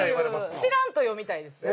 知らんと読みたいですね。